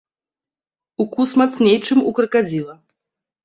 Укус мацней, чым у кракадзіла.